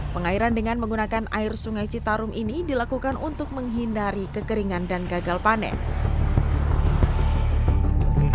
pengairan dengan menggunakan air sungai citarum ini dilakukan untuk menghindari kekeringan dan gagal panen